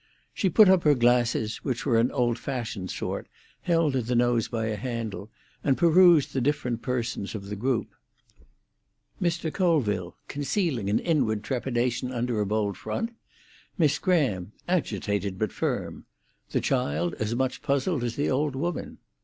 She put up her glasses, which were an old fashioned sort, held to the nose by a handle, and perused the different persons of the group. "Mr. Colville concealing an inward trepidation under a bold front; Miss Graham agitated but firm; the child as much puzzled as the old woman.